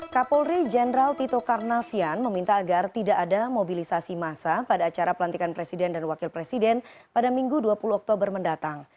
kapolri jenderal tito karnavian meminta agar tidak ada mobilisasi massa pada acara pelantikan presiden dan wakil presiden pada minggu dua puluh oktober mendatang